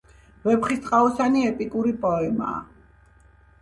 "ვეფხისტყაოსანი" ეპიკური პოემაა.